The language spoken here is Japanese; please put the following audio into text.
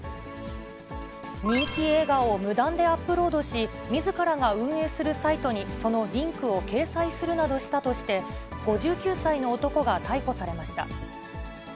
人気映画を無断でアップロードし、みずからが運営するサイトに、そのリンクを掲載するなどしたとして５９歳の男が逮捕されました。